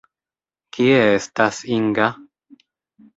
Kie estas Inga?